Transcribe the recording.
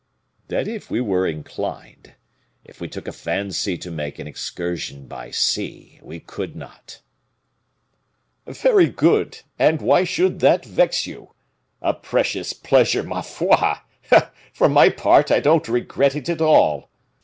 "That if we were inclined if we took a fancy to make an excursion by sea, we could not." "Very good! and why should that vex you? A precious pleasure, ma foi! For my part, I don't regret it at all.